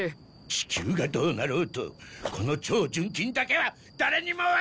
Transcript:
地球がどうなろうとこの超純金だけは誰にも渡さん！